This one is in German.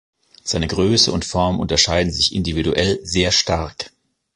Seine Größe und Form unterscheiden sich individuell sehr stark.